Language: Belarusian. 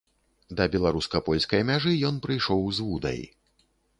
Да беларуска-польскай мяжы ён прыйшоў з вудай.